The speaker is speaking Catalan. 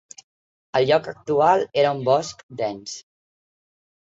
El lloc actual era un bosc dens.